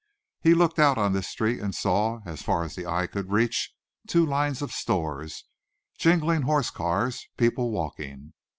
He looked out on this street and saw, as far as the eye could reach, two lines of stores, jingling horse cars, people walking.